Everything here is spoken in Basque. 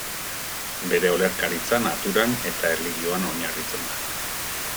Bere olerkaritza naturan eta erlijioan oinarritzen da.